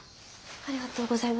ありがとうございます。